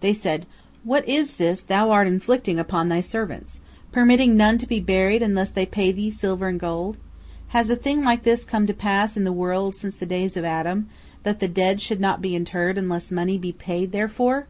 They said: "What is this thou art inflicting upon thy servants—permitting none to be buried unless they pay thee silver and gold! Has a thing like this come to pass in the world since the days of Adam, that the dead should not be interred unless money be paid therefor!